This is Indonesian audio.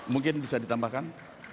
mungkin bisa ditambahkan